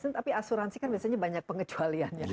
tapi asuransi kan biasanya banyak pengecualiannya